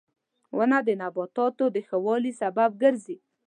• ونه د نباتاتو د ښه والي سبب ګرځي.